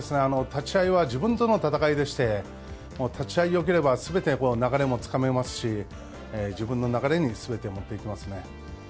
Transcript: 立ち合いは自分との戦いでして、立ち合いがよければすべて流れもつかめますし、自分の流れにすべてを持っていけますね。